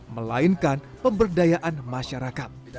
melainkan pemberdayaan masyarakat